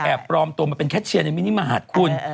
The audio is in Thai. ปลอมตัวมาเป็นแคชเชียร์ในมินิมหาดคุณ